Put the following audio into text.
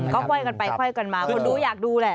เขาไว้กันไปไว้กันมาคนดูอยากดูแหละ